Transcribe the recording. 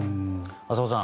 浅尾さん